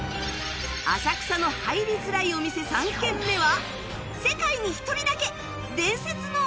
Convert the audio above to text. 浅草の入りづらいお店３軒目は